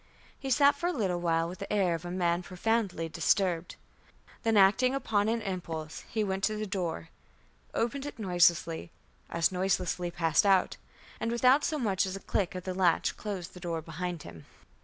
He sat for a little while with the air of a man profoundly disturbed. Then, acting upon an impulse, he went to the door, opened it noiselessly, as noiselessly passed out, and, without so much as a click of the latch, closed the door behind him.